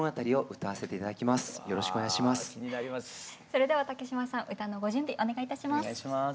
それでは竹島さん歌のご準備お願いいたします。